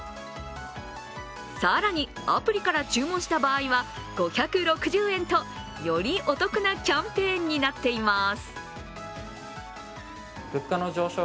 更にアプリから注文した場合は５６０円とよりお得なキャンペーンになっています。